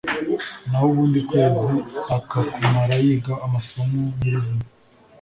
naho ukundi kwezi akakumara yiga amasomo nyirizina